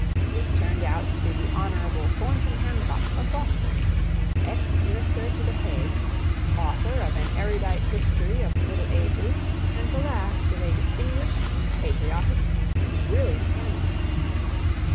This turned out to be the Honorable Thornton Hancock, of Boston, ex minister to The Hague, author of an erudite history of the Middle Ages and the last of a distinguished, patriotic, and brilliant family.